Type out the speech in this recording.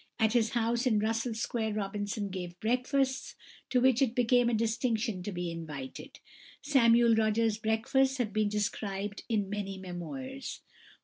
At his house in Russell Square Robinson gave breakfasts, to which it became a distinction to be invited. =Samuel Rogers's (1763 1855)= breakfasts have been described in many memoirs.